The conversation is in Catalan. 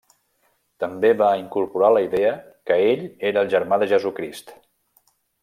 També va incorporar la idea que ell era el germà de Jesucrist.